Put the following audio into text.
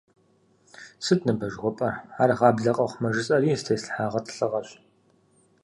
Сыт ныбэ жыхуэпӏэр? Ар гъаблэ къэхъумэ жысӏэри зэтеслъхьа гъэтӏылъыгъэщ.